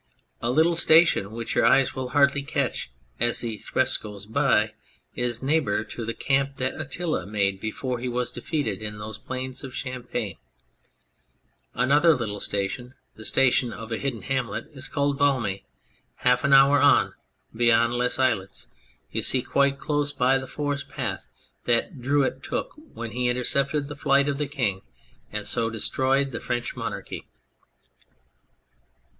A little station which your eyes will hardly catch as the express goes by is neighbour to the camp that Attila made before he was defeated in those plains of Champagne ; another little station, the station of a hidden hamlet, is called Valmy ; half an hour on, beyond Les Islettes, you see quite close by the forest path that Drouet took when he intercepted the flight of the King and so destroyed the French Monarchy.